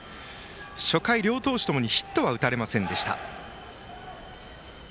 初回、両投手ともヒットは打たれませんでした。